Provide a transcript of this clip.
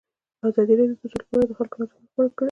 ازادي راډیو د سوله په اړه د خلکو نظرونه خپاره کړي.